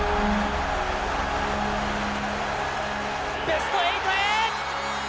ベスト８へ！